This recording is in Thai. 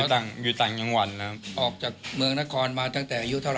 ผมจำไม่ได้นะครับผมมาเรียนกรุงเทพฯตั้งแต่เด็กครับ